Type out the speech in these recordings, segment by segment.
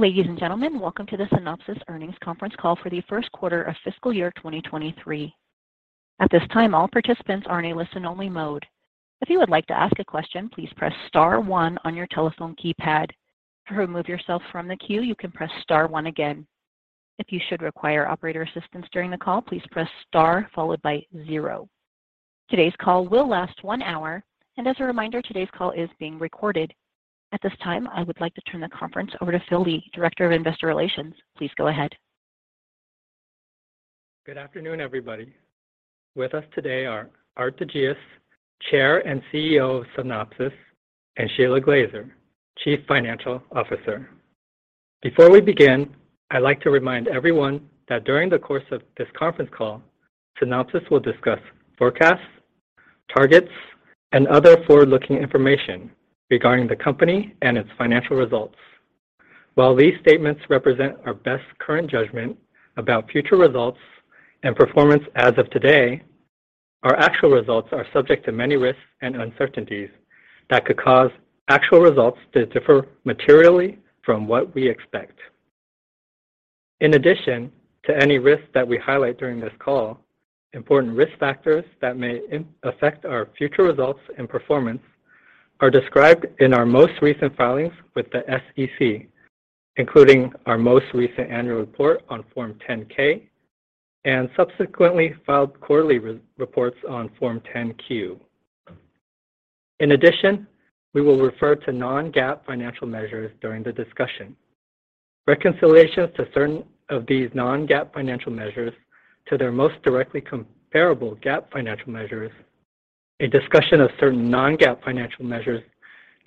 Ladies and gentlemen, welcome to the Synopsys Earnings Conference Call for the first quarter of fiscal year 2023. At this time, all participants are in a listen-only mode. If you would like to ask a question, please press star one on your telephone keypad. To remove yourself from the queue, you can press star one again. If you should require operator assistance during the call, please press star followed by zero. Today's call will last one hour. As a reminder, today's call is being recorded. At this time, I would like to turn the conference over to Phil Lee, Director of Investor Relations. Please go ahead. Good afternoon, everybody. With us today are Aart de Geus, Chair and CEO of Synopsys, and Shelagh Glaser, Chief Financial Officer. Before we begin, I'd like to remind everyone that during the course of this conference call, Synopsys will discuss forecasts, targets, and other forward-looking information regarding the company and its financial results. While these statements represent our best current judgment about future results and performance as of today, our actual results are subject to many risks and uncertainties that could cause actual results to differ materially from what we expect. In addition to any risks that we highlight during this call, important risk factors that may affect our future results and performance are described in our most recent filings with the SEC, including our most recent annual report on Form 10-K and subsequently filed quarterly re-reports on Form 10-Q. In addition, we will refer to non-GAAP financial measures during the discussion. Reconciliations to certain of these non-GAAP financial measures to their most directly comparable GAAP financial measures, a discussion of certain non-GAAP financial measures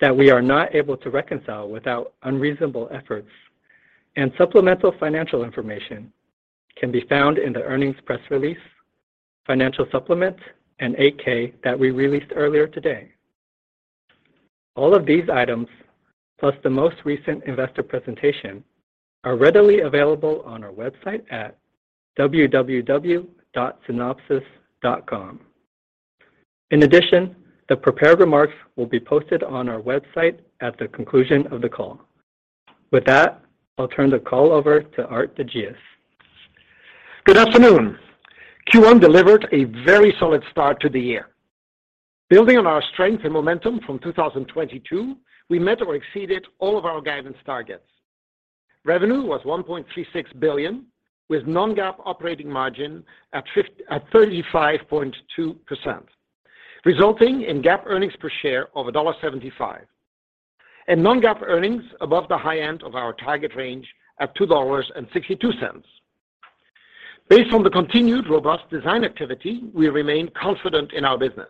that we are not able to reconcile without unreasonable efforts, and supplemental financial information can be found in the earnings press release, financial supplement, and 8-K that we released earlier today. All of these items, plus the most recent investor presentation, are readily available on our website at www.synopsys.com. In addition, the prepared remarks will be posted on our website at the conclusion of the call. With that, I'll turn the call over to Aart de Geus. Good afternoon. Q1 delivered a very solid start to the year. Building on our strength and momentum from 2022, we met or exceeded all of our guidance targets. Revenue was $1.36 billion, with non-GAAP operating margin at 35.2%, resulting in GAAP earnings per share of $1.75, and non-GAAP earnings above the high end of our target range at $2.62. Based on the continued robust design activity, we remain confident in our business.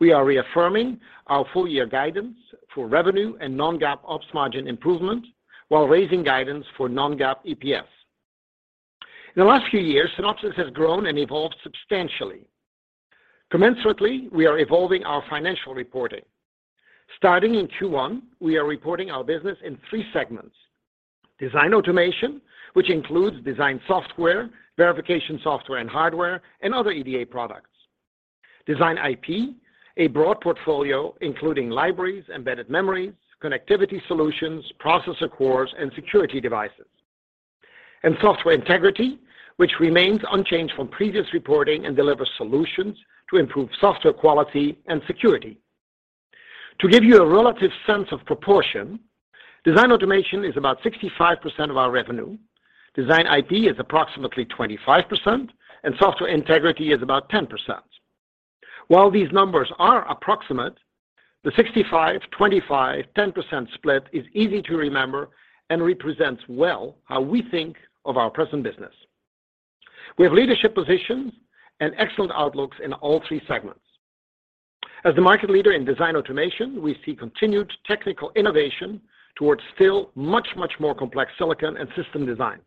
We are reaffirming our full year guidance for revenue and non-GAAP ops margin improvement, while raising guidance for non-GAAP EPS. In the last few years, Synopsys has grown and evolved substantially. Commensurately, we are evolving our financial reporting. Starting in Q1, we are reporting our business in three segments: Design Automation, which includes design software, verification software and hardware, and other EDA products. Design IP, a broad portfolio including libraries, embedded memories, connectivity solutions, processor cores, and security devices. Software Integrity, which remains unchanged from previous reporting and delivers solutions to improve software quality and security. To give you a relative sense of proportion, Design Automation is about 65% of our revenue, Design IP is approximately 25%, and Software Integrity is about 10%. While these numbers are approximate, the 65%/25%/10% split is easy to remember and represents well how we think of our present business. We have leadership positions and excellent outlooks in all three segments. As the market leader in Design Automation, we see continued technical innovation towards still much, much more complex silicon and system designs.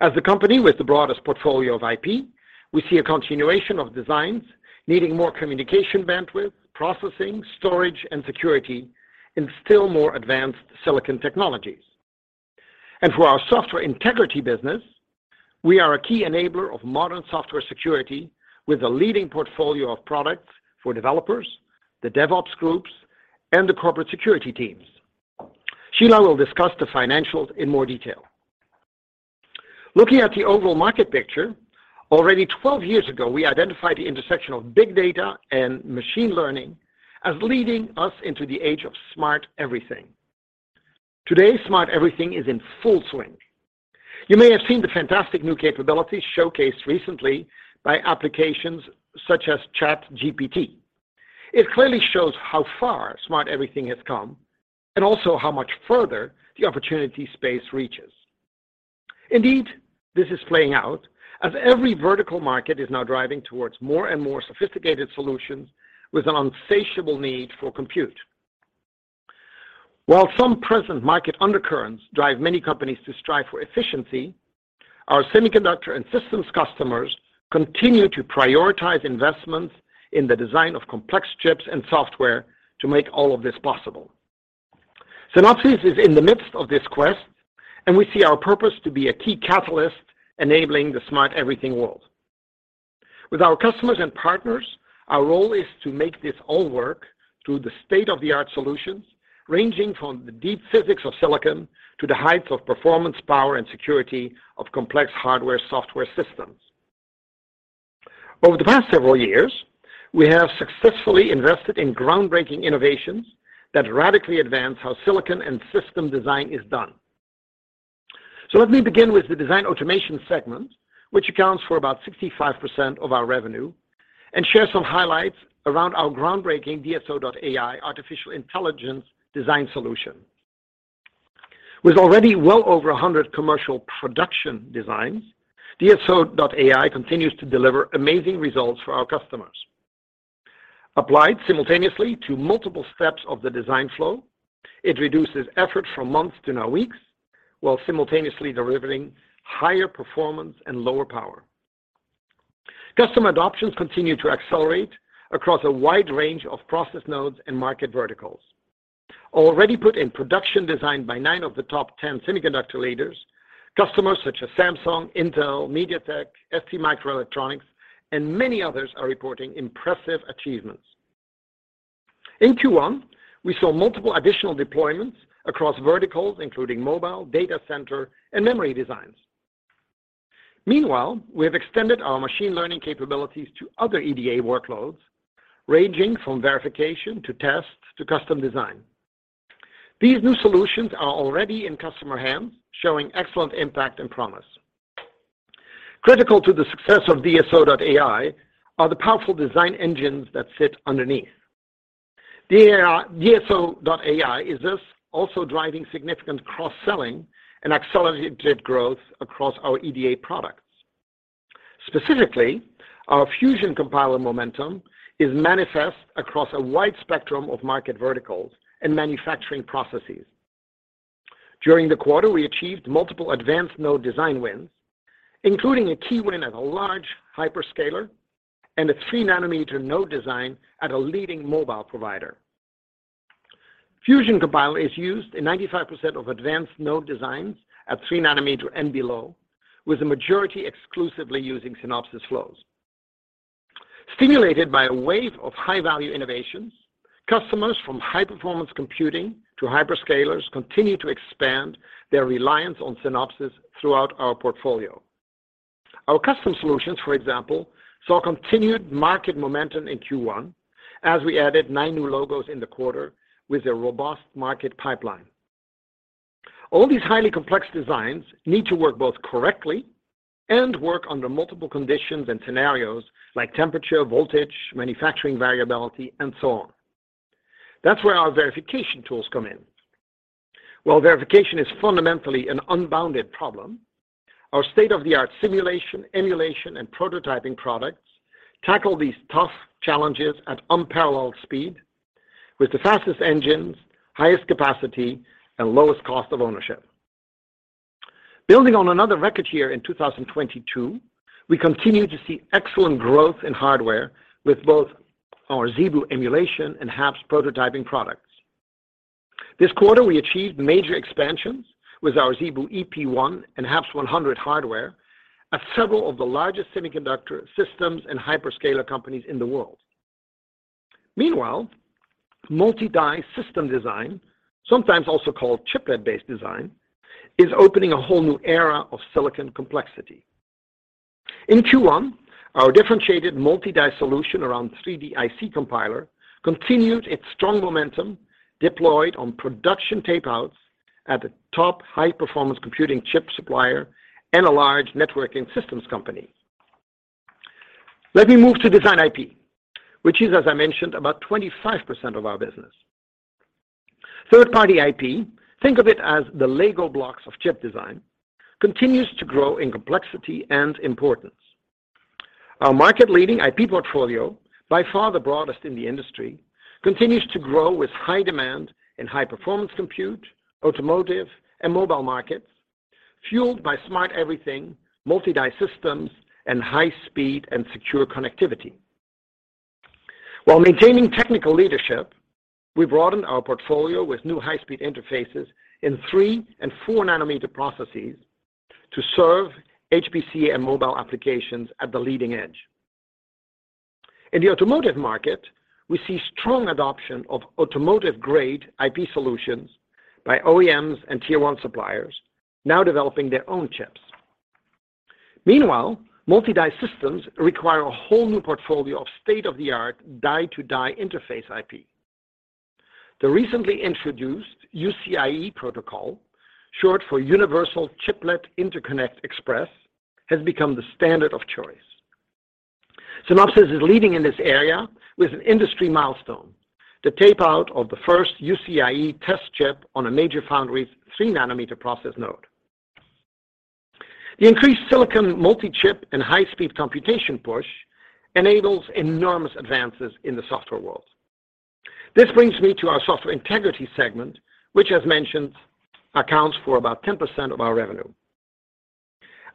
As the company with the broadest portfolio of IP, we see a continuation of designs needing more communication bandwidth, processing, storage, and security in still more advanced silicon technologies. For our Software Integrity business, we are a key enabler of modern software security with a leading portfolio of products for developers, the DevOps groups, and the corporate security teams. Shelagh will discuss the financials in more detail. Looking at the overall market picture, already 12 years ago, we identified the intersection of big data and machine learning as leading us into the age of Smart Everything. Today, Smart Everything is in full swing. You may have seen the fantastic new capabilities showcased recently by applications such as ChatGPT. It clearly shows how far Smart Everything has come and also how much further the opportunity space reaches. Indeed, this is playing out as every vertical market is now driving towards more and more sophisticated solutions with an insatiable need for compute. While some present market undercurrents drive many companies to strive for efficiency, our semiconductor and systems customers continue to prioritize investments in the design of complex chips and software to make all of this possible. Synopsys is in the midst of this quest, and we see our purpose to be a key catalyst enabling the Smart Everything world. With our customers and partners, our role is to make this all work through the state-of-the-art solutions ranging from the deep physics of silicon to the heights of performance, power, and security of complex hardware, software systems. Over the past several years, we have successfully invested in groundbreaking innovations that radically advance how silicon and system design is done. Let me begin with the Design Automation segment, which accounts for about 65% of our revenue, and share some highlights around our groundbreaking DSO.ai artificial intelligence design solution. With already well over 100 commercial production designs, DSO.ai continues to deliver amazing results for our customers. Applied simultaneously to multiple steps of the design flow, it reduces effort from months to now weeks, while simultaneously delivering higher performance and lower power. Customer adoptions continue to accelerate across a wide range of process nodes and market verticals. Already put in production designed by 9 of the top 10 semiconductor leaders, customers such as Samsung, Intel, MediaTek, STMicroelectronics, and many others are reporting impressive achievements. In Q1, we saw multiple additional deployments across verticals, including mobile, data center, and memory designs. Meanwhile, we have extended our machine learning capabilities to other EDA workloads, ranging from verification to test to custom design. These new solutions are already in customer hands, showing excellent impact and promise. Critical to the success of DSO.ai are the powerful design engines that sit underneath. DSO.ai is thus also driving significant cross-selling and accelerated growth across our EDA products. Specifically, our Fusion Compiler momentum is manifest across a wide spectrum of market verticals and manufacturing processes. During the quarter, we achieved multiple advanced node design wins, including a key win at a large hyperscaler and a 3 nanometer node design at a leading mobile provider. Fusion Compiler is used in 95% of advanced node designs at 3 nanometer and below, with the majority exclusively using Synopsys flows. Stimulated by a wave of high-value innovations, customers from high-performance computing to hyperscalers continue to expand their reliance on Synopsys throughout our portfolio. Our custom solutions, for example, saw continued market momentum in Q1 as we added nine new logos in the quarter with a robust market pipeline. All these highly complex designs need to work both correctly and work under multiple conditions and scenarios like temperature, voltage, manufacturing variability, and so on. That's where our verification tools come in. While verification is fundamentally an unbounded problem, our state-of-the-art simulation, emulation, and prototyping products tackle these tough challenges at unparalleled speed with the fastest engines, highest capacity, and lowest cost of ownership. Building on another record year in 2022, we continue to see excellent growth in hardware with both our ZeBu emulation and HAPS prototyping products. This quarter, we achieved major expansions with our ZeBu EP1 and HAPS-100 hardware at several of the largest semiconductor systems and hyperscaler companies in the world. Multi-die system design, sometimes also called chiplet-based design, is opening a whole new era of silicon complexity. In Q1, our differentiated multi-die solution around 3DIC Compiler continued its strong momentum deployed on production tape outs at the top high-performance computing chip supplier and a large networking systems company. Let me move to Design IP, which is, as I mentioned, about 25% of our business. Third-party IP, think of it as the LEGO blocks of chip design, continues to grow in complexity and importance. Our market-leading IP portfolio, by far the broadest in the industry, continues to grow with high demand in high-performance compute, automotive, and mobile markets, fueled by Smart Everything, multi-die systems, and high speed and secure connectivity. While maintaining technical leadership, we broadened our portfolio with new high-speed interfaces in three and four nanometer processes to serve HPC and mobile applications at the leading edge. In the automotive market, we see strong adoption of automotive-grade IP solutions by OEMs and Tier 1 suppliers now developing their own chips. Meanwhile, multi-die systems require a whole new portfolio of state-of-the-art die-to-die interface IP. The recently introduced UCIe protocol, short for Universal Chiplet Interconnect Express, has become the standard of choice. Synopsys is leading in this area with an industry milestone, the tape out of the first UCIe test chip on a major foundry's three nanometer process node. The increased silicon multi-chip and high-speed computation push enables enormous advances in the software world. This brings me to our Software Integrity segment, which, as mentioned, accounts for about 10% of our revenue.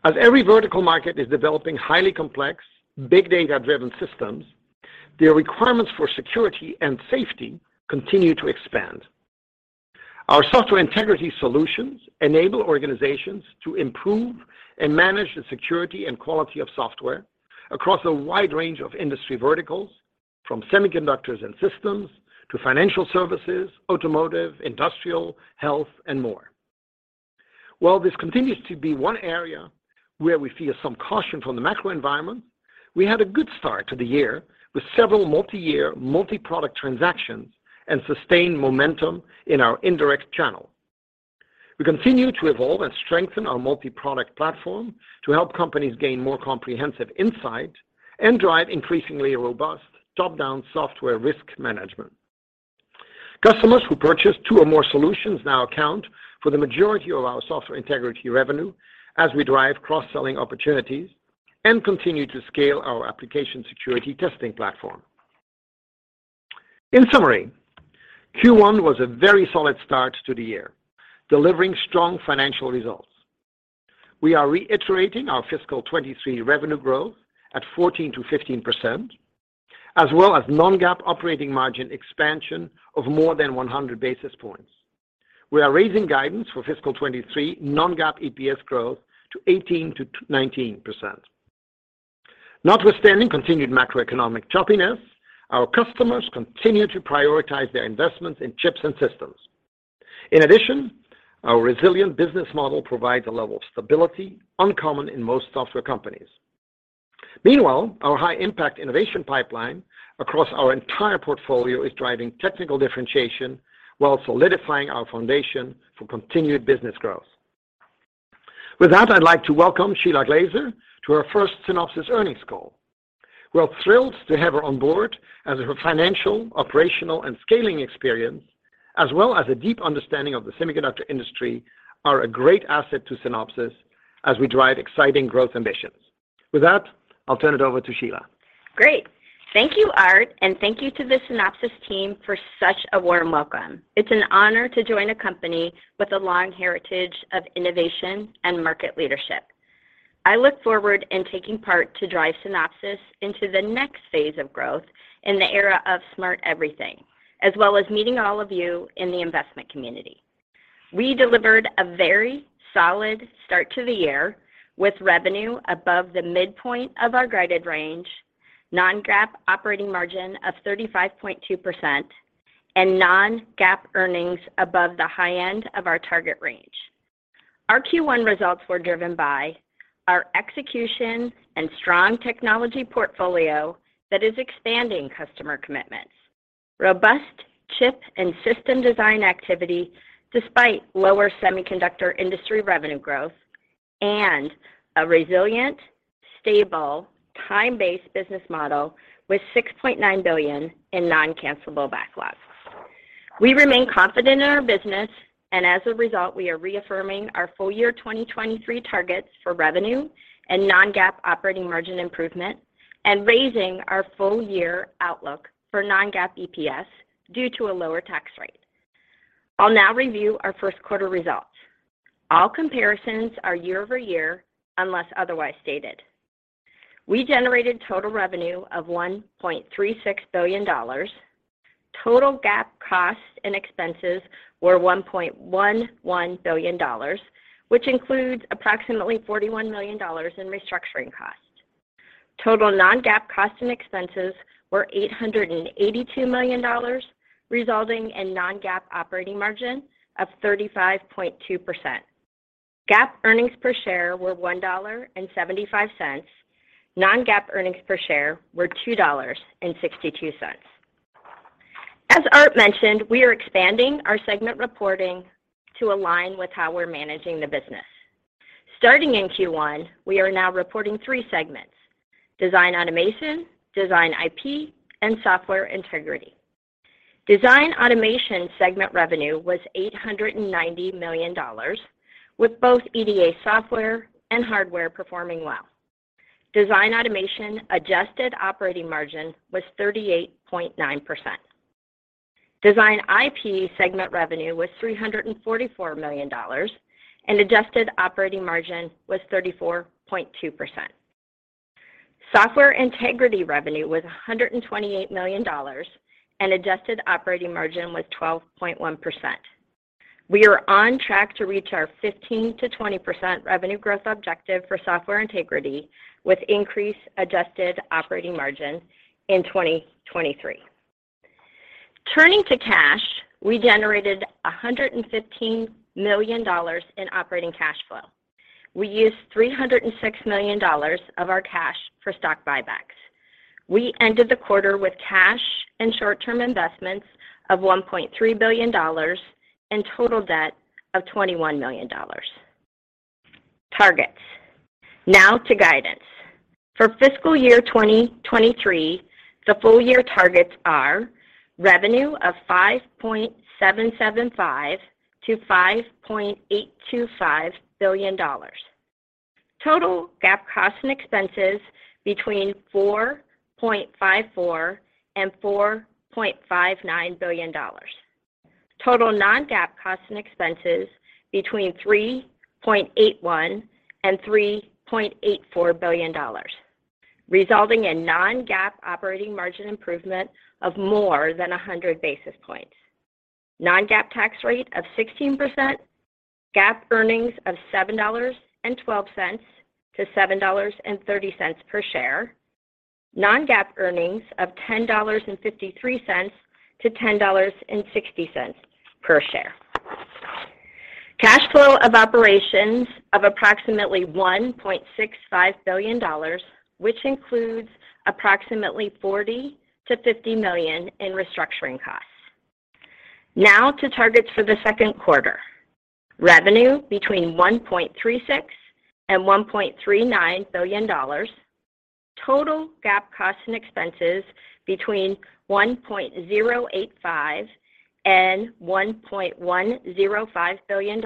As every vertical market is developing highly complex, big data-driven systems, their requirements for security and safety continue to expand. Our Software Integrity solutions enable organizations to improve and manage the security and quality of software across a wide range of industry verticals, from semiconductors and systems to financial services, automotive, industrial, health and more. While this continues to be one area where we feel some caution from the macro environment, we had a good start to the year with several multi-year, multi-product transactions and sustained momentum in our indirect channel. We continue to evolve and strengthen our multi-product platform to help companies gain more comprehensive insight and drive increasingly robust top-down software risk management. Customers who purchase two or more solutions now account for the majority of our Software Integrity revenue as we drive cross-selling opportunities and continue to scale our application security testing platform. In summary, Q1 was a very solid start to the year, delivering strong financial results. We are reiterating our fiscal 23 revenue growth at 14%-15%, as well as non-GAAP operating margin expansion of more than 100 basis points. We are raising guidance for fiscal 23 non-GAAP EPS growth to 18%-19%. Notwithstanding continued macroeconomic choppiness, our customers continue to prioritize their investments in chips and systems. Our resilient business model provides a level of stability uncommon in most software companies. Our high impact innovation pipeline across our entire portfolio is driving technical differentiation while solidifying our foundation for continued business growth. I'd like to welcome Shelagh Glaser to her first Synopsys earnings call. We're thrilled to have her on board as her financial, operational, and scaling experience, as well as a deep understanding of the semiconductor industry, are a great asset to Synopsys as we drive exciting growth ambitions. With that, I'll turn it over to Shelagh. Great. Thank you, Aart, and thank you to the Synopsys team for such a warm welcome. It's an honor to join a company with a long heritage of innovation and market leadership. I look forward in taking part to drive Synopsys into the next phase of growth in the era of Smart Everything, as well as meeting all of you in the investment community. We delivered a very solid start to the year with revenue above the midpoint of our guided range, non-GAAP operating margin of 35.2%, and non-GAAP earnings above the high end of our target range. Our Q1 results were driven by our execution and strong technology portfolio that is expanding customer commitments, robust chip and system design activity despite lower semiconductor industry revenue growth, and a resilient, stable, time-based business model with $6.9 billion in non-cancellable backlogs. We remain confident in our business. As a result, we are reaffirming our full year 2023 targets for revenue and non-GAAP operating margin improvement and raising our full year outlook for non-GAAP EPS due to a lower tax rate. I'll now review our first quarter results. All comparisons are year-over-year, unless otherwise stated. We generated total revenue of $1.36 billion. Total GAAP costs and expenses were $1.11 billion, which includes approximately $41 million in restructuring costs. Total non-GAAP costs and expenses were $882 million, resulting in non-GAAP operating margin of 35.2%. GAAP earnings per share were $1.75. Non-GAAP earnings per share were $2.62. As Aart mentioned, we are expanding our segment reporting to align with how we're managing the business. Starting in Q1, we are now reporting three segments: Design Automation, Design IP, and Software Integrity. Design Automation segment revenue was $890 million, with both EDA software and hardware performing well. Design Automation adjusted operating margin was 38.9%. Design IP segment revenue was $344 million, and adjusted operating margin was 34.2%. Software Integrity revenue was $128 million, and adjusted operating margin was 12.1%. We are on track to reach our 15%-20% revenue growth objective for Software Integrity with increased adjusted operating margin in 2023. Turning to cash, we generated $115 million in operating cash flow. We used $306 million of our cash for stock buybacks. We ended the quarter with cash and short-term investments of $1.3 billion and total debt of $21 million. Targets. Now to guidance. For fiscal year 2023, the full year targets are revenue of $5.775 billion-$5.825 billion. Total GAAP costs and expenses between $4.54 billion and $4.59 billion. Total non-GAAP costs and expenses between $3.81 billion and $3.84 billion. Resulting in non-GAAP operating margin improvement of more than 100 basis points. Non-GAAP tax rate of 16%. GAAP earnings of $7.12-$7.30 per share. Non-GAAP earnings of $10.53-$10.60 per share. Cash flow of operations of approximately $1.65 billion, which includes approximately $40 million-$50 million in restructuring costs. To targets for the second quarter. Revenue between $1.36 billion and $1.39 billion. Total GAAP costs and expenses between $1.085 billion and $1.105 billion.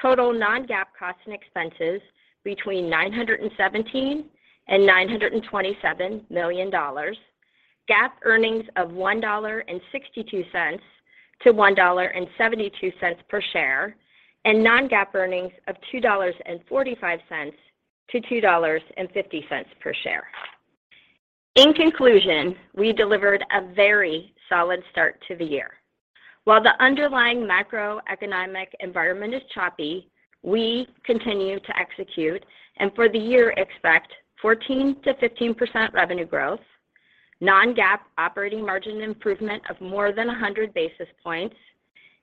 Total non-GAAP costs and expenses between $917 million and $927 million. GAAP earnings of $1.62 to $1.72 per share, and non-GAAP earnings of $2.45 to $2.50 per share. In conclusion, we delivered a very solid start to the year. While the underlying macroeconomic environment is choppy, we continue to execute and for the year expect 14%-15% revenue growth, non-GAAP operating margin improvement of more than 100 basis points,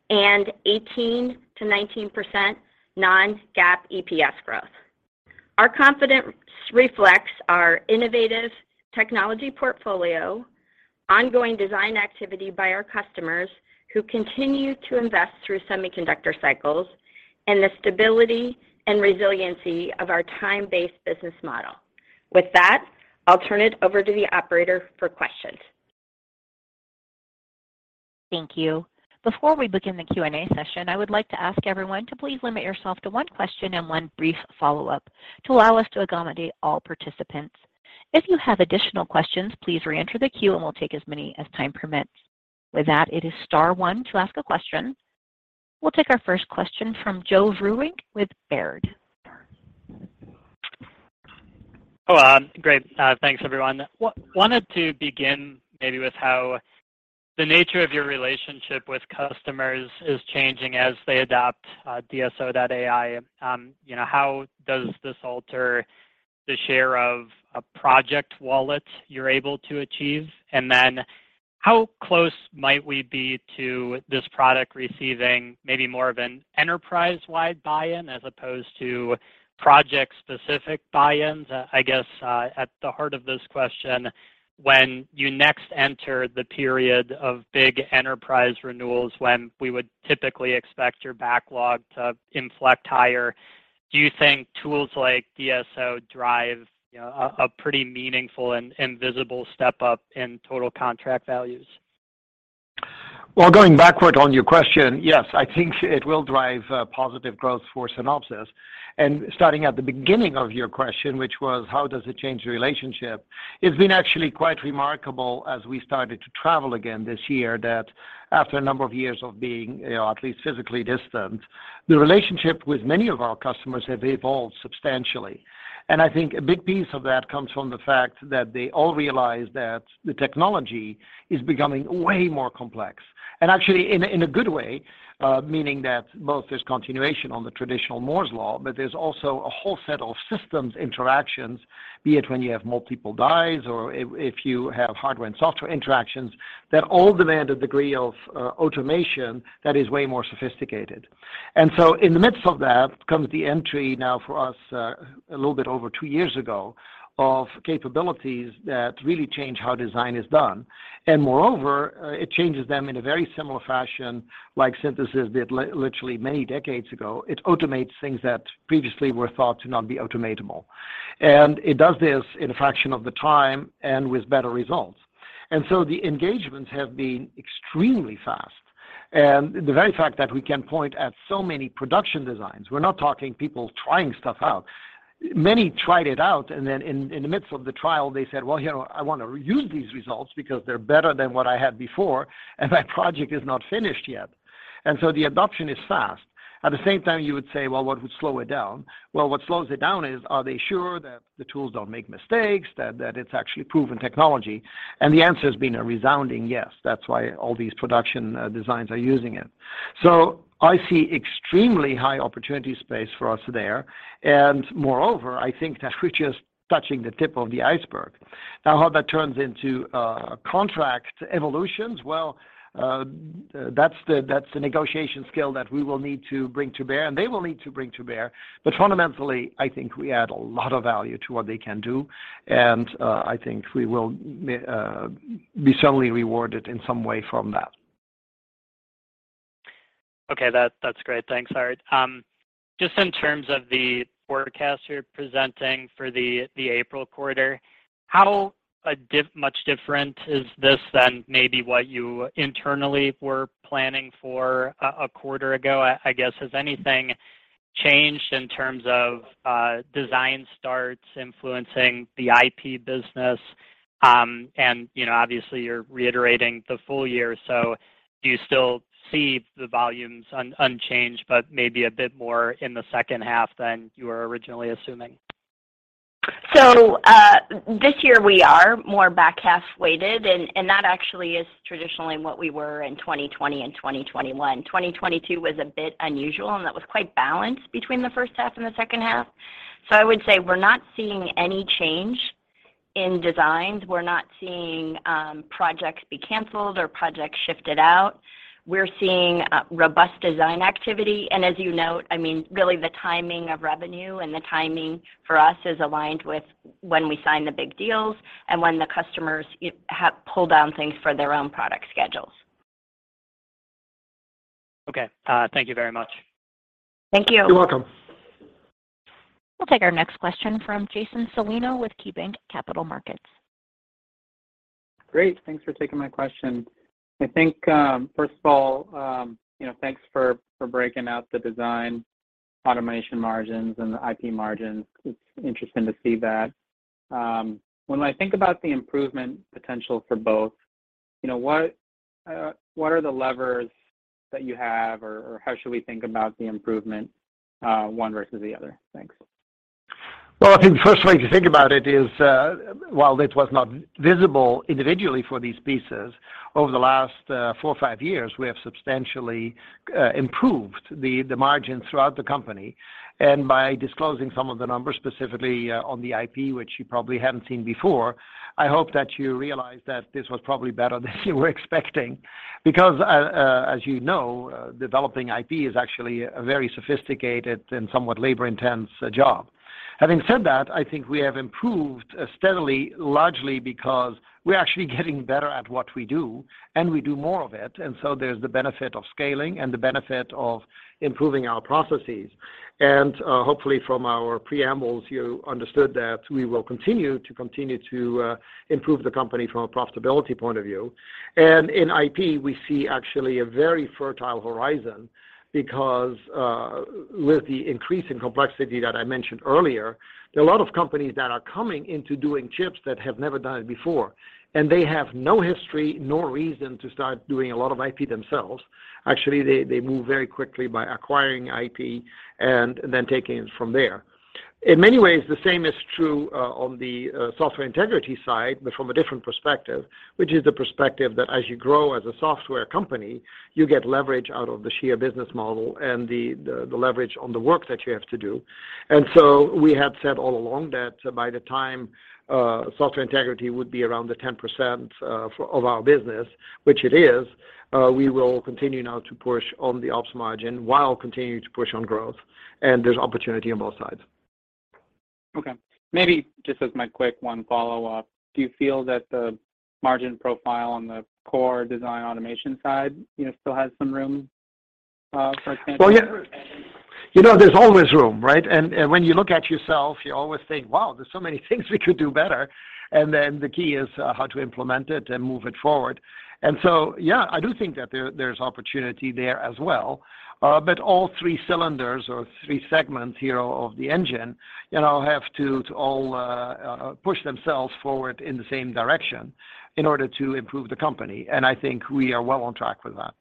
and 18%-19% non-GAAP EPS growth. Our confidence reflects our innovative technology portfolio, ongoing design activity by our customers who continue to invest through semiconductor cycles, and the stability and resiliency of our time-based business model. With that, I'll turn it over to the operator for questions. Thank you. Before we begin the Q&A session, I would like to ask everyone to please limit yourself to one question and one brief follow-up to allow us to accommodate all participants. If you have additional questions, please reenter the queue and we'll take as many as time permits. With that, it is star one to ask a question. We'll take our first question from Joe Vruwink with Baird. Hello. Great. Thanks everyone. Wanted to begin maybe with how the nature of your relationship with customers is changing as they adopt DSO.ai. You know, how does this alter the share of a project wallet you're able to achieve? How close might we be to this product receiving maybe more of an enterprise-wide buy-in as opposed to project-specific buy-ins? I guess, at the heart of this question, when you next enter the period of big enterprise renewals, when we would typically expect your backlog to inflect higher, do you think tools like DSO drive, you know, a pretty meaningful and visible step up in total contract values? Well, going backward on your question, yes, I think it will drive positive growth for Synopsys. Starting at the beginning of your question, which was how does it change the relationship? It's been actually quite remarkable as we started to travel again this year, that after a number of years of being, you know, at least physically distant, the relationship with many of our customers have evolved substantially. I think a big piece of that comes from the fact that they all realize that the technology is becoming way more complex. Actually in a good way, meaning that both there's continuation on the traditional Moore's law, but there's also a whole set of systems interactions, be it when you have multiple dies or if you have hardware and software interactions that all demand a degree of automation that is way more sophisticated. So in the midst of that comes the entry now for us, a little bit over two years ago, of capabilities that really change how design is done. Moreover, it changes them in a very similar fashion, like synthesis did literally many decades ago. It automates things that previously were thought to not be automatable, and it does this in a fraction of the time and with better results. So the engagements have been extremely fast. The very fact that we can point at so many production designs, we're not talking people trying stuff out. Many tried it out, then in the midst of the trial, they said, "Well, you know, I want to reuse these results because they're better than what I had before, and my project is not finished yet." The adoption is fast. At the same time, you would say, "Well, what would slow it down?" Well, what slows it down is, are they sure that the tools don't make mistakes, that it's actually proven technology? The answer has been a resounding yes. That's why all these production designs are using it. I see extremely high opportunity space for us there. Moreover, I think that we're just touching the tip of the iceberg. Now, how that turns into contract evolutions, well, that's the negotiation skill that we will need to bring to bear and they will need to bring to bear. But fundamentally, I think we add a lot of value to what they can do, and I think we will be certainly rewarded in some way from that. Okay. That's great. Thanks, Aart. Just in terms of the forecast you're presenting for the April quarter, how much different is this than maybe what you internally were planning for a quarter ago? I guess, has anything changed in terms of design starts influencing the IP business? You know, obviously you're reiterating the full year, so do you still see the volumes unchanged but maybe a bit more in the second half than you were originally assuming? This year we are more back-half weighted and that actually is traditionally what we were in 2020 and 2021. 2022 was a bit unusual, and that was quite balanced between the first half and the second half. I would say we're not seeing any change in designs. We're not seeing projects be canceled or projects shifted out. We're seeing robust design activity and as you note, I mean, really the timing of revenue and the timing for us is aligned with when we sign the big deals and when the customers have pulled down things for their own product schedules. Okay. Thank you very much. Thank you. You're welcome. We'll take our next question from Jason Celino with KeyBanc Capital Markets. Great. Thanks for taking my question. I think, first of all, you know, thanks for breaking out the Design Automation margins and the IP margins. It's interesting to see that. When I think about the improvement potential for both, you know, what are the levers that you have, or how should we think about the improvement, one versus the other? Thanks. Well, I think the first way to think about it is, while it was not visible individually for these pieces, over the last, four or five years, we have substantially improved the margins throughout the company. By disclosing some of the numbers specifically, on the IP, which you probably haven't seen before, I hope that you realize that this was probably better than you were expecting. As you know, developing IP is actually a very sophisticated and somewhat labor intense, job. Having said that, I think we have improved steadily, largely because we're actually getting better at what we do, and we do more of it, and so there's the benefit of scaling and the benefit of improving our processes. Hopefully from our preambles, you understood that we will continue to improve the company from a profitability point of view. In IP, we see actually a very fertile horizon because with the increasing complexity that I mentioned earlier, there are a lot of companies that are coming into doing chips that have never done it before, and they have no history nor reason to start doing a lot of IP themselves. They, they move very quickly by acquiring IP and then taking it from there. In many ways, the same is true, on the Software Integrity side, but from a different perspective, which is the perspective that as you grow as a software company, you get leverage out of the sheer business model and the, the leverage on the work that you have to do. We have said all along that by the time, Software Integrity would be around the 10% of our business, which it is, we will continue now to push on the operating margin while continuing to push on growth, and there's opportunity on both sides. Okay. Maybe just as my quick one follow-up. Do you feel that the margin profile on the core Design Automation side, you know, still has some room for expansion? Yeah. You know, there's always room, right? When you look at yourself, you always think, "Wow, there's so many things we could do better." The key is how to implement it and move it forward. Yeah, I do think that there's opportunity there as well. All three cylinders or three segments here of the engine, you know, have to all push themselves forward in the same direction in order to improve the company, and I think we are well on track with that.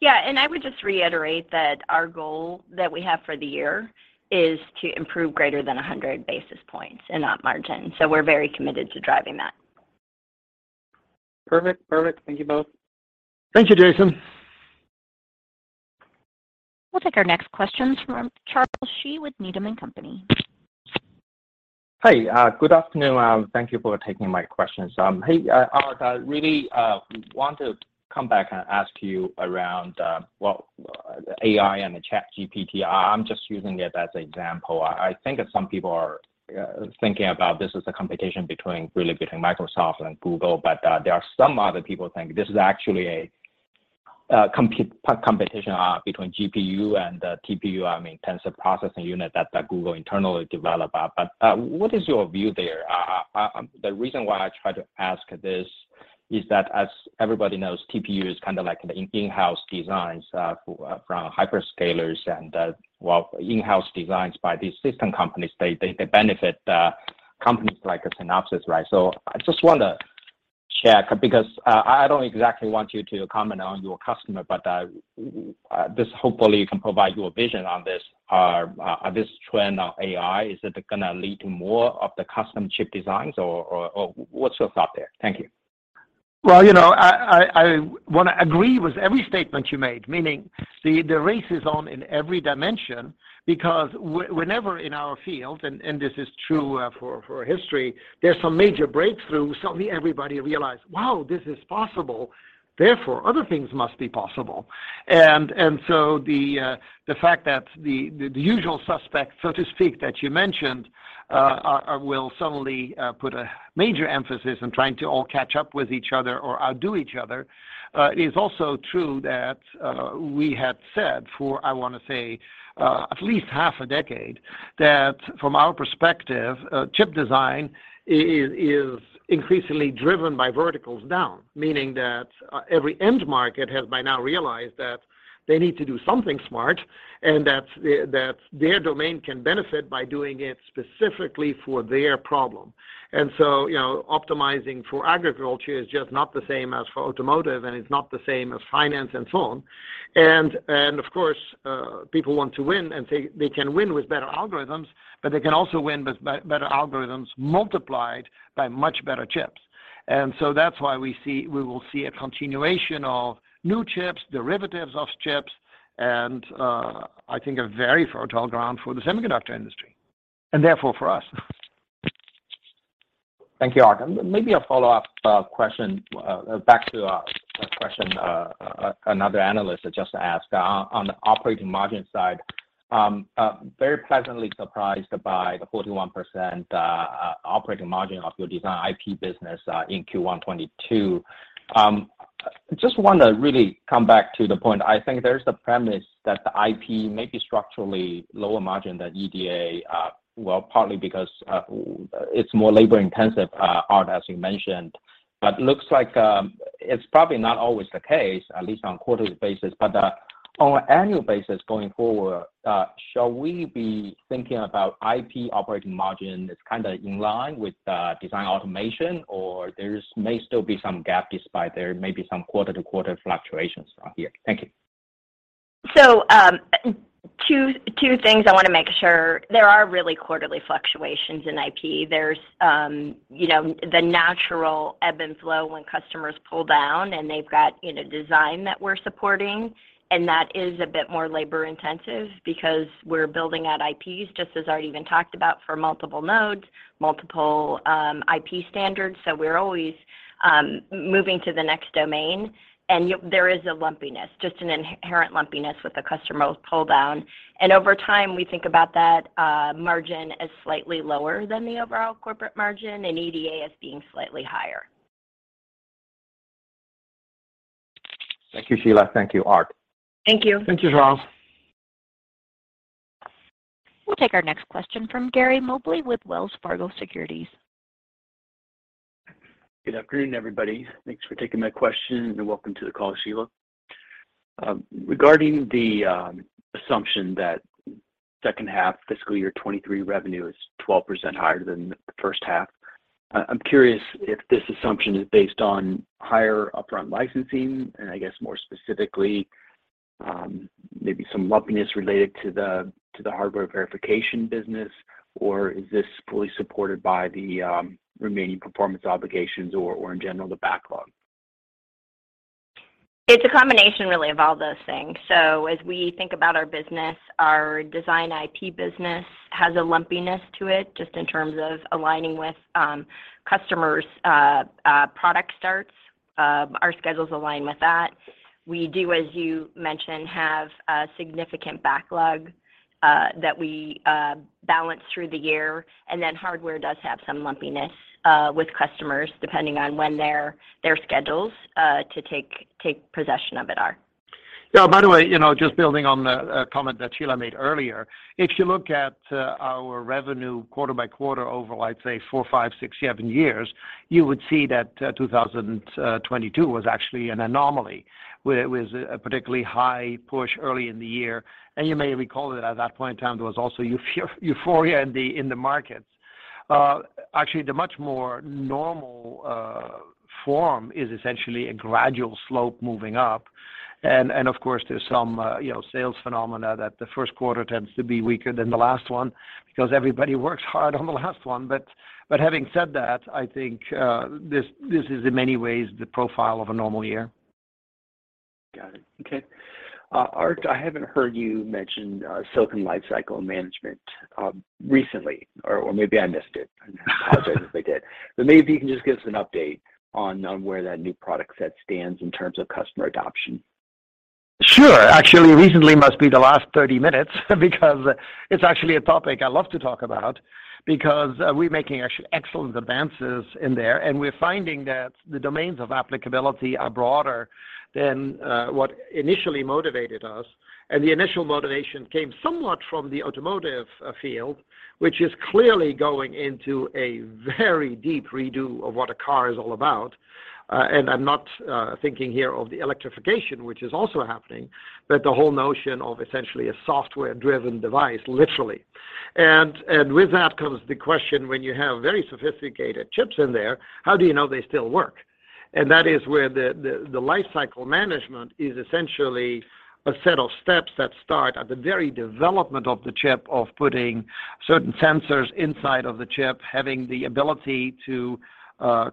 Yeah. I would just reiterate that our goal that we have for the year is to improve greater than 100 basis points in op margin. We're very committed to driving that. Perfect. Perfect. Thank you both. Thank you, Jason. We'll take our next questions from Charles Shi with Needham & Company. Hi. Good afternoon, thank you for taking my questions. Hey, Aart, I really want to come back and ask you around, well, AI and the ChatGPT. I'm just using it as example. I think that some people are thinking about this as a competition between really between Microsoft and Google, but there are some other people think this is actually a competition between GPU and TPU, I mean, Tensor Processing Unit that Google internally develop. What is your view there? The reason why I try to ask this is that as everybody knows, TPU is kind of like an in-house designs for, from hyperscalers and, well, in-house designs by these system companies. They benefit companies like Synopsys, right? I just wanna check because I don't exactly want you to comment on your customer, but this hopefully you can provide your vision on this. This trend of AI, is it gonna lead to more of the custom chip designs or what's your thought there? Thank you. Well, you know, I wanna agree with every statement you made, meaning the race is on in every dimension because whenever in our field, and this is true for history, there's some major breakthrough, suddenly everybody realize, "Wow, this is possible, therefore other things must be possible." So the fact that the usual suspect, so to speak, that you mentioned, will suddenly put a major emphasis on trying to all catch up with each other or outdo each other. It is also true that we had said for, I wanna say, at least half a decade, that from our perspective, chip design is increasingly driven by verticals down, meaning that every end market has by now realized that they need to do something smart, and that their domain can benefit by doing it specifically for their problem. You know, optimizing for agriculture is just not the same as for automotive, and it's not the same as finance and so on. Of course, people want to win, and they can win with better algorithms, but they can also win with better algorithms multiplied by much better chips. That's why we will see a continuation of new chips, derivatives of chips, and, I think a very fertile ground for the semiconductor industry, and therefore for us. Thank you, Aart. Maybe a follow-up question back to a question another analyst had just asked. On the operating margin side, very pleasantly surprised by the 41% operating margin of your Design IP business in Q1 2022. Just want to really come back to the point. I think there's the premise that the IP may be structurally lower margin than EDA, well, partly because it's more labor-intensive, Aart, as you mentioned. Looks like it's probably not always the case, at least on a quarterly basis. On an annual basis going forward, shall we be thinking about IP operating margin as kind of in line with Design Automation, or there's may still be some gap despite there may be some quarter-to-quarter fluctuations here? Thank you. Two things I wanna make sure. There are really quarterly fluctuations in IP. There's, you know, the natural ebb and flow when customers pull down and they've got, you know, design that we're supporting, and that is a bit more labor intensive because we're building out IPs, just as Aart even talked about, for multiple nodes, multiple IP standards. We're always moving to the next domain, and there is a lumpiness, just an inherent lumpiness with the customer pull-down. Over time, we think about that margin as slightly lower than the overall corporate margin and EDA as being slightly higher. Thank you, Sheila. Thank you, Aart. Thank you. Thank you, Charles. We'll take our next question from Gary Mobley with Wells Fargo Securities. Good afternoon, everybody. Thanks for taking my question, and welcome to the call, Shelagh. Regarding the assumption that second half fiscal year 2023 revenue is 12% higher than the first half, I'm curious if this assumption is based on higher upfront licensing and I guess more specifically, maybe some lumpiness related to the hardware verification business, or is this fully supported by the remaining performance obligations or in general the backlog? It's a combination really of all those things. As we think about our business, our Design IP business has a lumpiness to it just in terms of aligning with customers' product starts. Our schedules align with that. We do, as you mentioned, have a significant backlog that we balance through the year, hardware does have some lumpiness with customers depending on when their schedules to take possession of it are. Yeah, by the way, you know, just building on the comment that Shelagh made earlier. If you look at our revenue quarter by quarter over, like, say, four, five, six, seven years, you would see that 2022 was actually an anomaly, where it was a particularly high push early in the year. You may recall that at that point in time, there was also euphoria in the markets. Actually, the much more normal form is essentially a gradual slope moving up. Of course, there's some, you know, sales phenomena that the first quarter tends to be weaker than the last one because everybody works hard on the last one. Having said that, I think, this is in many ways the profile of a normal year. Got it. Okay. Aart, I haven't heard you mention Silicon Lifecycle Management recently, or maybe I missed it. I apologize if I did. Maybe if you can just give us an update on where that new product set stands in terms of customer adoption? Sure. Actually, recently must be the last 30 minutes because it's actually a topic I love to talk about because we're making actually excellent advances in there, and we're finding that the domains of applicability are broader than what initially motivated us. The initial motivation came somewhat from the automotive field, which is clearly going into a very deep redo of what a car is all about. And I'm not thinking here of the electrification, which is also happening, but the whole notion of essentially a software-driven device, literally. With that comes the question when you have very sophisticated chips in there, how do you know they still work? That is where the lifecycle management is essentially a set of steps that start at the very development of the chip of putting certain sensors inside of the chip, having the ability to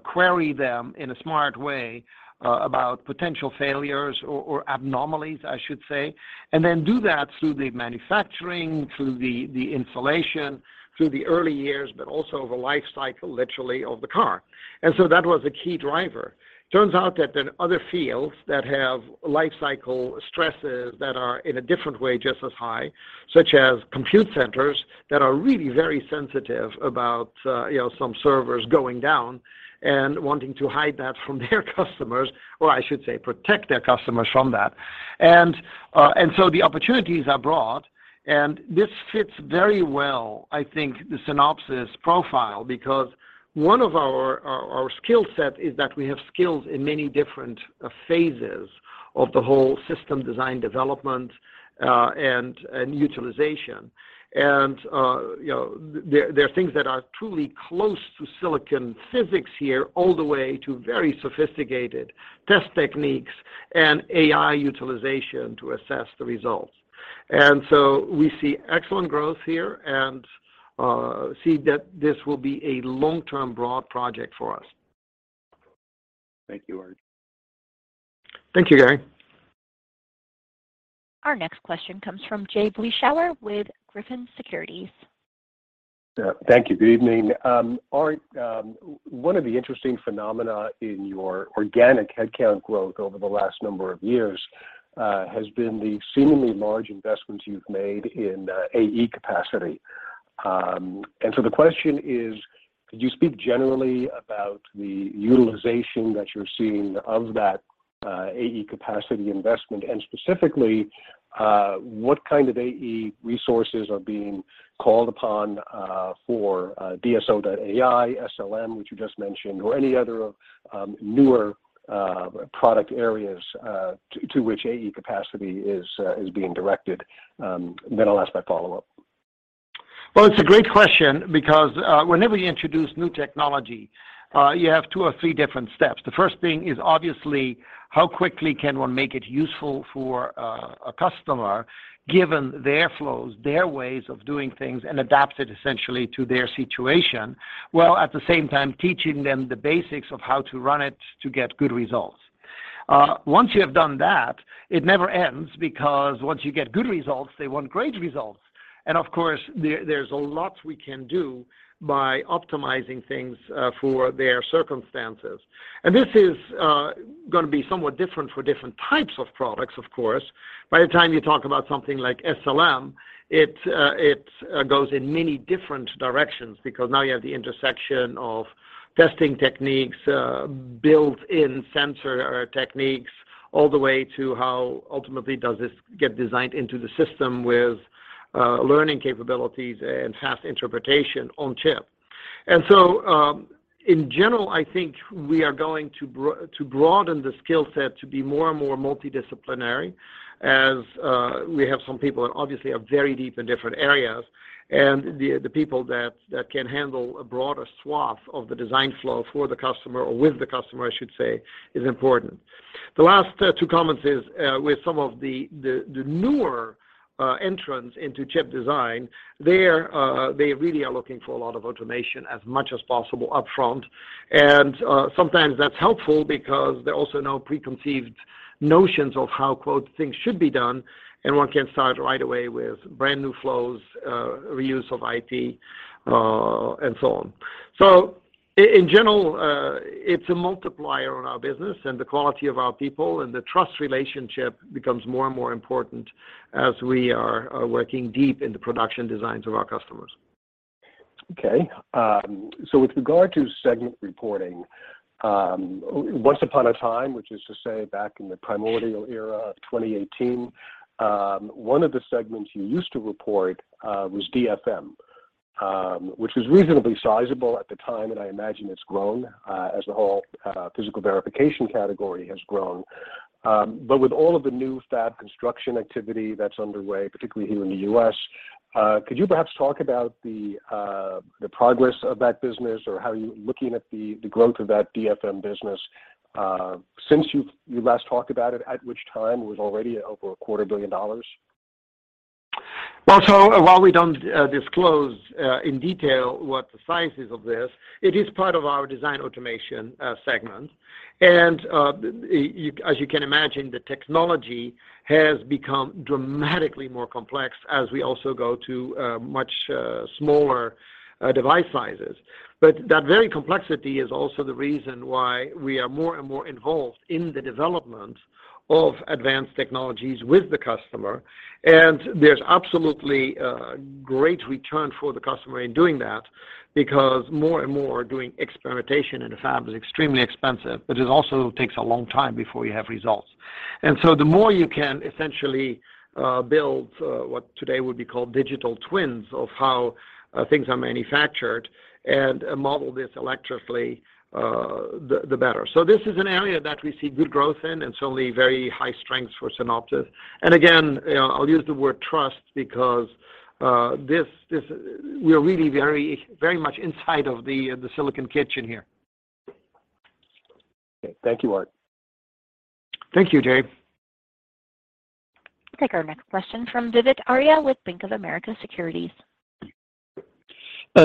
query them in a smart way about potential failures or anomalies, I should say, then do that through the manufacturing, through the installation, through the early years, but also the lifecycle, literally of the car. That was a key driver. Turns out that there are other fields that have lifecycle stresses that are in a different way, just as high, such as compute centers that are really very sensitive about, you know, some servers going down and wanting to hide that from their customers or I should say, protect their customers from that. The opportunities are broad, and this fits very well, I think, the Synopsys profile, because one of our skill set is that we have skills in many different phases. Of the whole system design development, and utilization. You know, there are things that are truly close to silicon physics here all the way to very sophisticated test techniques and AI utilization to assess the results. We see excellent growth here and, see that this will be a long-term broad project for us. Thank you, Aart. Thank you, Gary. Our next question comes from Jay Vleeschhouwer with Griffin Securities. Yeah. Thank you. Good evening. Aart, one of the interesting phenomena in your organic headcount growth over the last number of years, has been the seemingly large investments you've made in AE capacity. The question is, could you speak generally about the utilization that you're seeing of that AE capacity investment? Specifically, what kind of AE resources are being called upon, for DSO.ai, SLM, which you just mentioned, or any other, newer, product areas, to which AE capacity is being directed? I'll ask my follow-up. Well, it's a great question because whenever you introduce new technology, you have 2 or 3 different steps. The first thing is obviously how quickly can one make it useful for a customer given their flows, their ways of doing things, and adapt it essentially to their situation, while at the same time teaching them the basics of how to run it to get good results. Once you have done that, it never ends because once you get good results, they want great results. Of course, there's a lot we can do by optimizing things for their circumstances. This is gonna be somewhat different for different types of products, of course. By the time you talk about something like SLM, it goes in many different directions because now you have the intersection of testing techniques, built-in sensor techniques, all the way to how ultimately does this get designed into the system with learning capabilities and fast interpretation on chip. In general, I think we are going to broaden the skill set to be more and more multidisciplinary as we have some people that obviously are very deep in different areas, and the people that can handle a broader swath of the design flow for the customer or with the customer, I should say, is important. The last two comments is with some of the newer entrants into chip design, they really are looking for a lot of automation as much as possible up front. Sometimes that's helpful because they're also no preconceived notions of how, quote, "things should be done," and one can start right away with brand-new flows, reuse of IT, and so on. In general, it's a multiplier on our business, and the quality of our people and the trust relationship becomes more and more important as we are working deep in the production designs of our customers. Okay. With regard to segment reporting, once upon a time, which is to say back in the primordial era of 2018, one of the segments you used to report, was DFM, which was reasonably sizable at the time, and I imagine it's grown, as the whole, physical verification category has grown. With all of the new fab construction activity that's underway, particularly here in the U.S., could you perhaps talk about the progress of that business or how you're looking at the growth of that DFM business, since you last talked about it, at which time it was already over a quarter billion dollars? While we don't disclose in detail what the size is of this, it is part of our Design Automation segment. As you can imagine, the technology has become dramatically more complex as we also go to much smaller device sizes. That very complexity is also the reason why we are more and more involved in the development of advanced technologies with the customer. There's absolutely a great return for the customer in doing that because more and more doing experimentation in a fab is extremely expensive, but it also takes a long time before you have results. The more you can essentially build what today would be called digital twins of how things are manufactured and model this electrically, the better. This is an area that we see good growth in and certainly very high strength for Synopsys. Again, I'll use the word trust because, we're really very much inside of the silicon kitchen here. Okay. Thank you, Aart. Thank you, Jay. Take our next question from Vivek Arya with Bank of America Securities.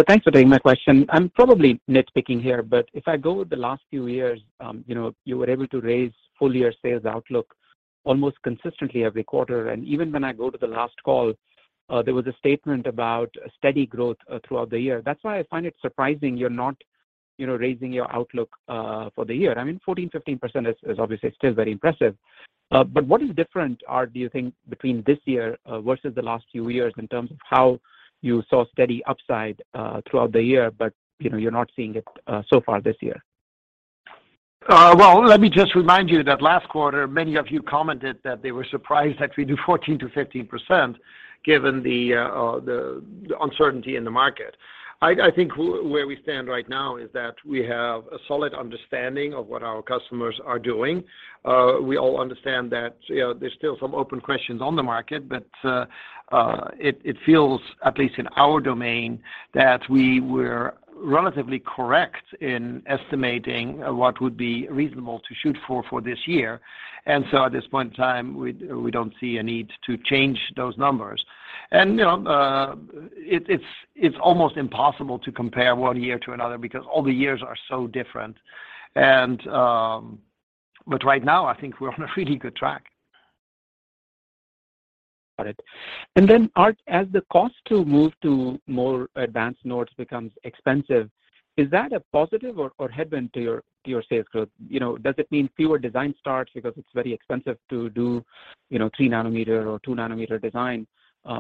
Thanks for taking my question. I'm probably nitpicking here, but if I go with the last few years, you know, you were able to raise full-year sales outlook almost consistently every quarter. Even when I go to the last call, there was a statement about steady growth throughout the year. That's why I find it surprising you're not, you know, raising your outlook for the year. I mean, 14%, 15% is obviously still very impressive. What is different, Aart, do you think between this year versus the last few years in terms of how you saw steady upside throughout the year, but, you know, you're not seeing it so far this year? Well, let me just remind you that last quarter, many of you commented that they were surprised that we do 14%-15% given the uncertainty in the market. I think where we stand right now is that we have a solid understanding of what our customers are doing. We all understand that, you know, there's still some open questions on the market, but it feels, at least in our domain, that we were relatively correct in estimating what would be reasonable to shoot for this year. At this point in time, we don't see a need to change those numbers. You know, it's almost impossible to compare one year to another because all the years are so different. Right now I think we're on a really good track. Got it. Aart, as the cost to move to more advanced nodes becomes expensive, is that a positive or headwind to your, to your sales growth? You know, does it mean fewer design starts because it's very expensive to do, you know, 3 nanometer or 2 nanometer design,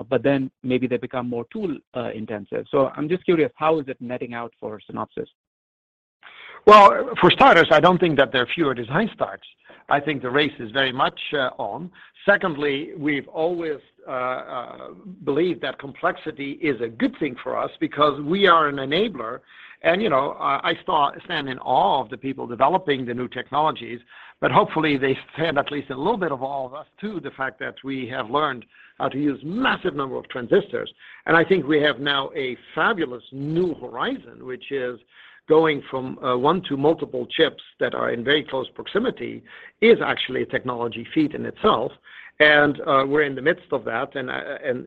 but then maybe they become more tool intensive. I'm just curious, how is it netting out for Synopsys? Well, for starters, I don't think that there are fewer design starts. I think the race is very much on. Secondly, we've always believed that complexity is a good thing for us because we are an enabler and, you know, I stand in awe of the people developing the new technologies, but hopefully they stand at least in a little bit of awe of us too, the fact that we have learned how to use massive number of transistors. I think we have now a fabulous new horizon, which is going from one to multiple chips that are in very close proximity is actually a technology feat in itself. We're in the midst of that, and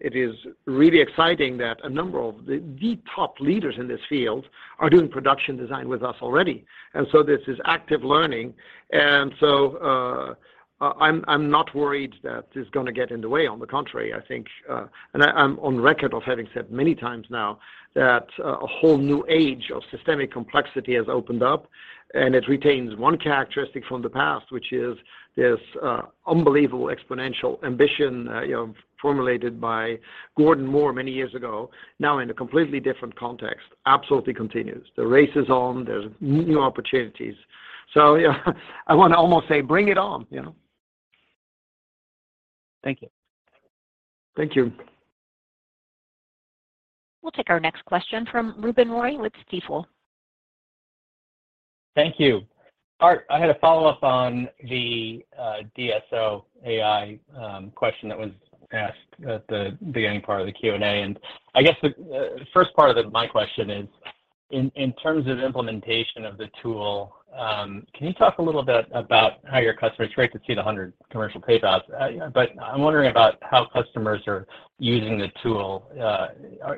it is really exciting that a number of the top leaders in this field are doing production design with us already. This is active learning. I'm not worried that it's gonna get in the way. On the contrary, I think, and I'm on record of having said many times now that a whole new age of systemic complexity has opened up, and it retains one characteristic from the past, which is this unbelievable exponential ambition, you know, formulated by Gordon Moore many years ago, now in a completely different context. Absolutely continues. The race is on. There's new opportunities. Yeah, I want to almost say bring it on, you know. Thank you. Thank you. We'll take our next question from Ruben Roy with Stifel. Thank you. Aart, I had a follow-up on the DSO.ai question that was asked at the beginning part of the Q&A. I guess the first part of my question is in terms of implementation of the tool. Can you talk a little bit about how your customers? It's great to see the 100 commercial paybacks, but I am wondering about how customers are using the tool.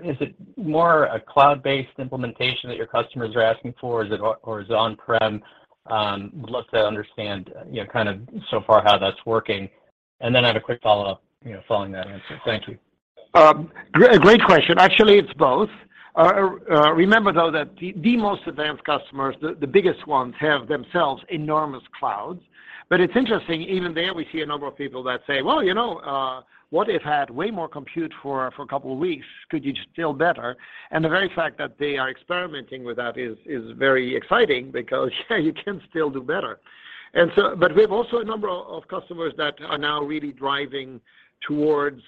Is it more a cloud-based implementation that your customers are asking for or is it on-prem? Would love to understand, you know, kind of so far how that's working. Then I have a quick follow-up, you know, following that answer. Thank you. Great question. Actually, it's both. Remember though that the most advanced customers, the biggest ones have themselves enormous clouds. It's interesting, even there we see a number of people that say, "Well, you know, what if had way more compute for a couple of weeks, could you do still better?" The very fact that they are experimenting with that is very exciting because you can still do better. We have also a number of customers that are now really driving towards,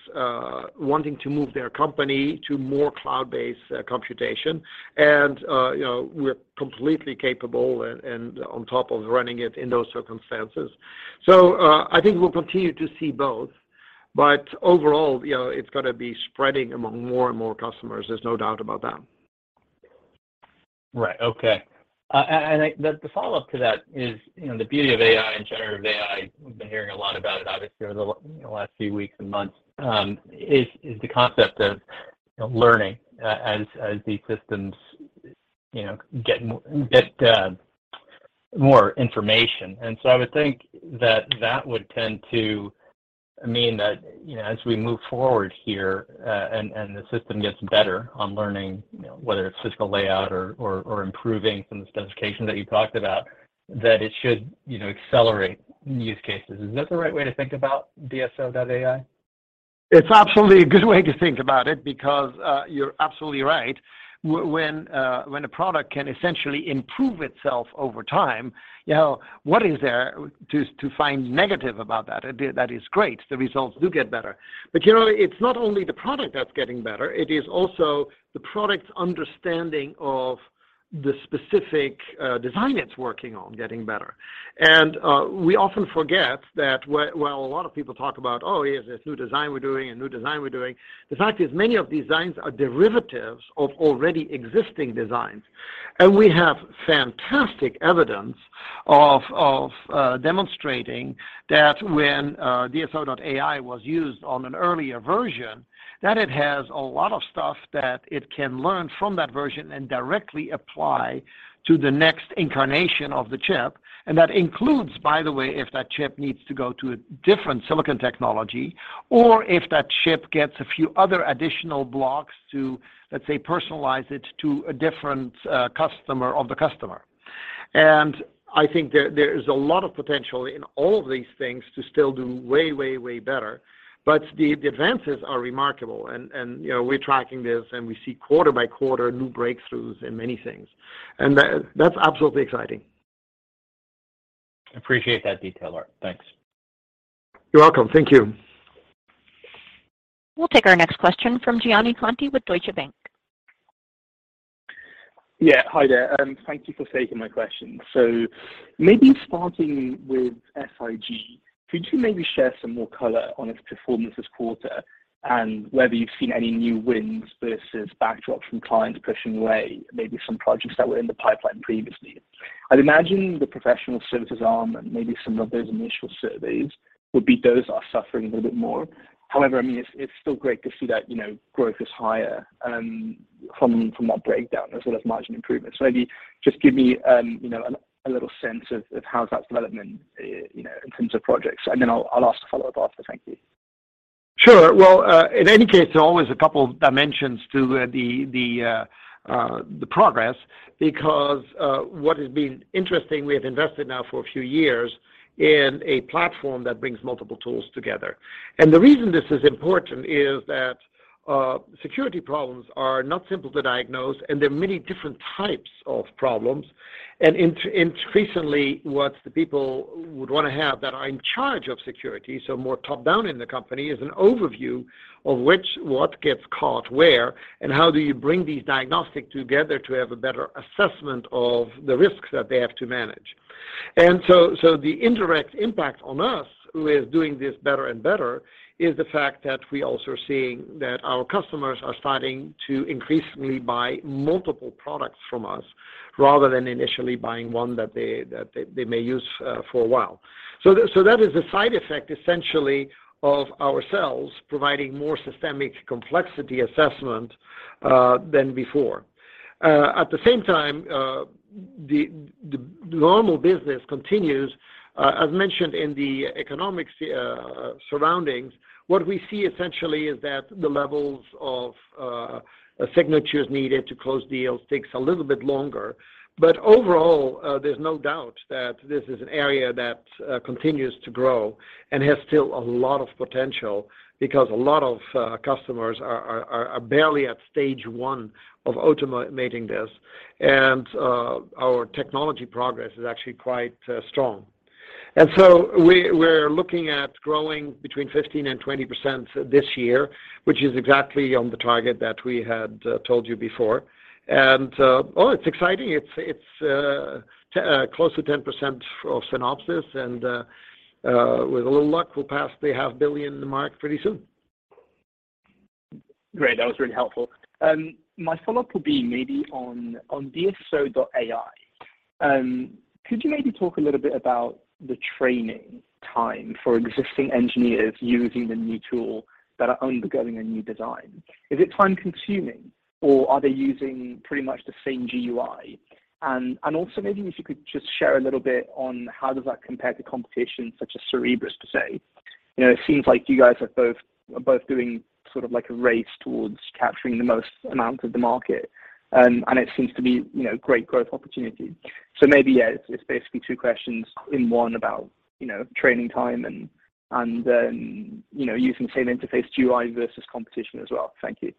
wanting to move their company to more cloud-based computation. You know, we're completely capable and on top of running it in those circumstances. I think we'll continue to see both. Overall, you know, it's gonna be spreading among more and more customers, there's no doubt about that. Right. Okay. The follow-up to that is, you know, the beauty of AI and generative AI, we've been hearing a lot about it obviously over the last few weeks and months, is the concept of, you know, learning, as these systems, you know, get more information. I would think that that would tend to mean that, you know, as we move forward here, and the system gets better on learning, you know, whether it's physical layout or improving from the specification that you talked about, that it should, you know, accelerate use cases. Is that the right way to think about DSO.ai? It's absolutely a good way to think about it because you're absolutely right. When a product can essentially improve itself over time, you know, what is there to find negative about that? That is great. The results do get better. Generally, it's not only the product that's getting better, it is also the product's understanding of the specific design it's working on getting better. We often forget that while a lot of people talk about, "Oh, yeah, this new design we're doing," the fact is many of these designs are derivatives of already existing designs. We have fantastic evidence of demonstrating that when DSO.ai was used on an earlier version, that it has a lot of stuff that it can learn from that version and directly apply to the next incarnation of the chip. That includes, by the way, if that chip needs to go to a different silicon technology or if that chip gets a few other additional blocks to, let's say, personalize it to a different customer of the customer. I think there is a lot of potential in all of these things to still do way, way better. The advances are remarkable and, you know, we're tracking this and we see quarter by quarter new breakthroughs in many things. That's absolutely exciting. Appreciate that detail, Aart. Thanks. You're welcome. Thank you. We'll take our next question from Gianmarco Conti with Deutsche Bank. Yeah. Hi there, and thank you for taking my question. Maybe starting with SIG, could you maybe share some more color on its performance this quarter and whether you've seen any new wins versus backdrops from clients pushing away maybe some projects that were in the pipeline previously? I'd imagine the professional services arm and maybe some of those initial surveys would be those are suffering a little bit more. However, I mean, it's still great to see that, you know, growth is higher from that breakdown as well as margin improvements. Maybe just give me, you know, a little sense of how that's developing, you know, in terms of projects, and then I'll ask a follow-up after. Thank you. Sure. Well, in any case, there are always a couple dimensions to the progress because what has been interesting, we have invested now for a few years in a platform that brings multiple tools together. The reason this is important is that security problems are not simple to diagnose, and there are many different types of problems. Increasingly, what the people would want to have that are in charge of security, so more top-down in the company, is an overview of what gets caught where, and how do you bring these diagnostics together to have a better assessment of the risks that they have to manage. The indirect impact on us with doing this better and better is the fact that we also are seeing that our customers are starting to increasingly buy multiple products from us rather than initially buying one that they may use for a while. That is a side effect essentially of ourselves providing more systemic complexity assessment than before. At the same time, the normal business continues. As mentioned in the economics surroundings, what we see essentially is that the levels of signatures needed to close deals takes a little bit longer. Overall, there's no doubt that this is an area that continues to grow and has still a lot of potential because a lot of customers are barely at stage one of automating this. Our technology progress is actually quite strong. We're looking at growing between 15%-20% this year, which is exactly on the target that we had told you before. Well, it's exciting. It's close to 10% for Synopsys, and with a little luck, we'll pass the half billion mark pretty soon. Great. That was really helpful. My follow-up would be maybe on DSO.ai. Could you maybe talk a little bit about the training time for existing engineers using the new tool that are undergoing a new design? Is it time-consuming, or are they using pretty much the same GUI? Also maybe if you could just share a little bit on how does that compare to competition such as Cerebras, per se. You know, it seems like you guys are both, are both doing sort of like a race towards capturing the most amount of the market, and it seems to be, you know, great growth opportunity. Maybe, yeah, it's basically two questions in one about, you know, training time and, you know, using same interface GUI versus competition as well. Thank you.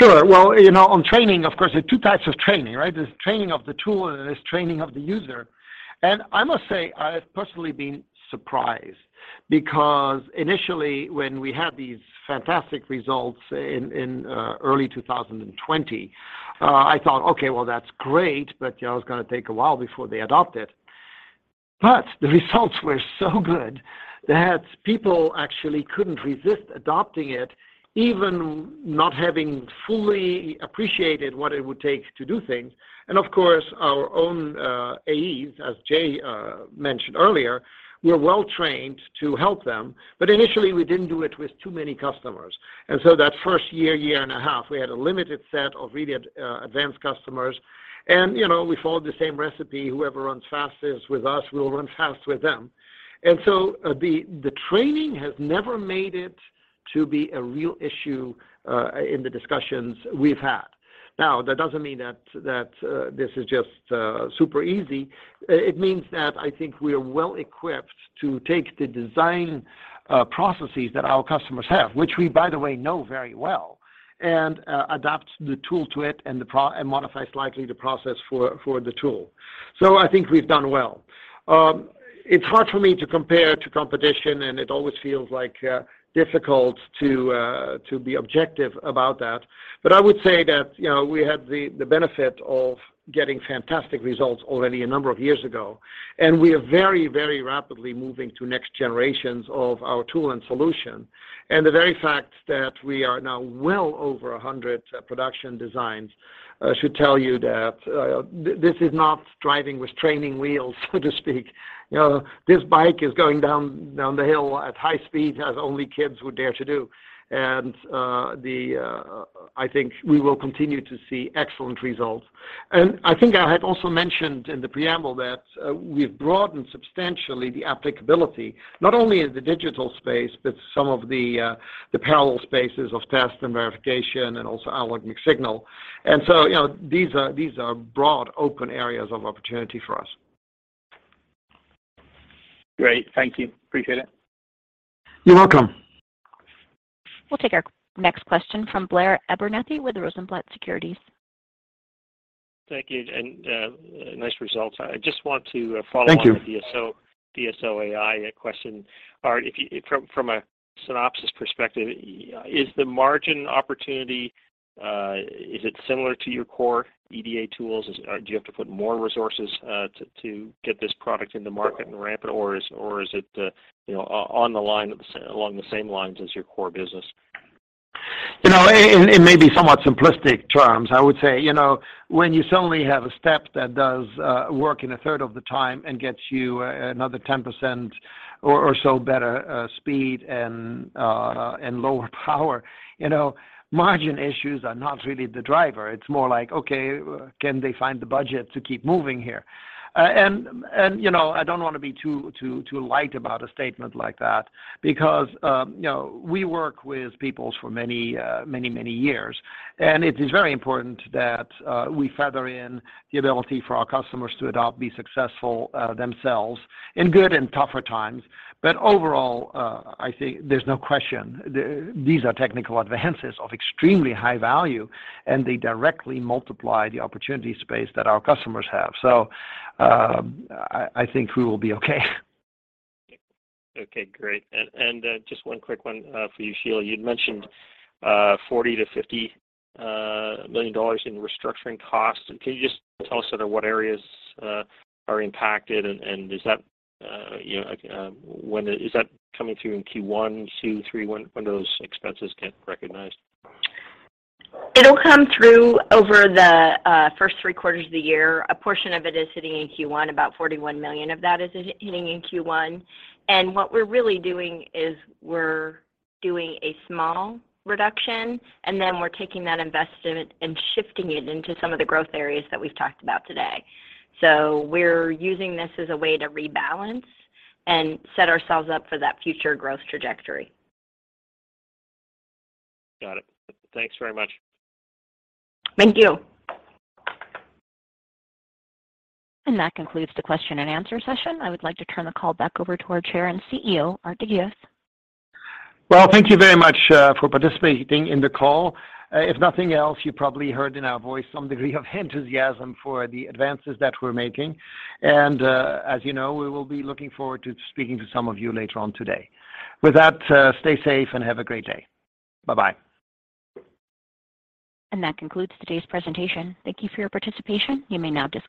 Sure. Well, you know, on training, of course, there are two types of training, right? There's training of the tool, and there's training of the user. I must say, I've personally been surprised because initially when we had these fantastic results in early 2020, I thought, "Okay, well, that's great, but, you know, it's gonna take a while before they adopt it." The results were so good that people actually couldn't resist adopting it, even not having fully appreciated what it would take to do things. Of course, our own AEs, as Jay mentioned earlier, we are well trained to help them. Initially, we didn't do it with too many customers. That first year and a half, we had a limited set of really advanced customers. You know, we followed the same recipe. Whoever runs fastest with us, we'll run fast with them. The training has never made it to be a real issue in the discussions we've had. Now, that doesn't mean that this is just super easy. It means that I think we are well equipped to take the design processes that our customers have, which we, by the way, know very well, and adapt the tool to it and modify slightly the process for the tool. I think we've done well. It's hard for me to compare to competition, and it always feels like difficult to be objective about that. I would say that, you know, we had the benefit of getting fantastic results already a number of years ago, and we are very, very rapidly moving to next generations of our tool and solution. The very fact that we are now well over 100 production designs should tell you that this is not driving with training wheels, so to speak. You know, this bike is going down the hill at high speed as only kids would dare to do. I think we will continue to see excellent results. I think I had also mentioned in the preamble that we've broadened substantially the applicability, not only in the digital space, but some of the parallel spaces of test and verification and also analog mixed signal. You know, these are broad open areas of opportunity for us. Great. Thank you. Appreciate it. You're welcome. We'll take our next question from Blair Abernethy with Rosenblatt Securities. Thank you, and, nice results. I just want to follow up- Thank you.... on the DSO.ai question. Aart, from a Synopsys perspective, is the margin opportunity similar to your core EDA tools? Or do you have to put more resources to get this product in the market and ramp it? Or is it, you know, along the same lines as your core business? You know, in maybe somewhat simplistic terms, I would say, you know, when you suddenly have a step that does work in a third of the time and gets you another 10% or so better speed and lower power, you know, margin issues are not really the driver. It's more like, okay, can they find the budget to keep moving here? You know, I don't wanna be too light about a statement like that because, you know, we work with people for many, many years, and it is very important that we feather in the ability for our customers to adopt, be successful themselves in good and tougher times. Overall, I think there's no question, these are technical advances of extremely high value, and they directly multiply the opportunity space that our customers have. I think we will be okay. Okay, great. Just one quick one, for you, Shelagh Glaser. You'd mentioned, $40 million-$50 million in restructuring costs. Can you just tell us sort of what areas, are impacted? Is that, you know, coming through in Q1, Q2, Q3? When, when do those expenses get recognized? It'll come through over the first 3 quarters of the year. A portion of it is hitting in Q1. About $41 million of that is hitting in Q1. What we're really doing is we're doing a small reduction, and then we're taking that investment and shifting it into some of the growth areas that we've talked about today. We're using this as a way to rebalance and set ourselves up for that future growth trajectory. Got it. Thanks very much. Thank you. That concludes the question and answer session. I would like to turn the call back over to our Chair and CEO, Aart de Geus. Well, thank you very much for participating in the call. If nothing else, you probably heard in our voice some degree of enthusiasm for the advances that we're making. As you know, we will be looking forward to speaking to some of you later on today. With that, stay safe and have a great day. Bye-bye. That concludes today's presentation. Thank you for your participation. You may now disconnect.